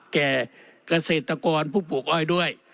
แก่เกษตรกรผู้ปลูกอ้อยด้วย